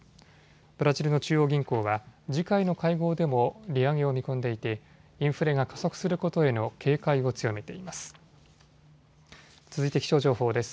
ブラジルの中央銀行は次回の会合でも利上げを見込んでいてインフレが加速することへの警戒を強めています。